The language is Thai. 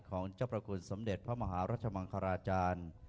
ของเจ้าประคุณสมเด็จพระมหารัชมังคลาจารย์